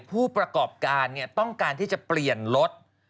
ผู้ประกอบการต้องการที่จะเปลี่ยนรถ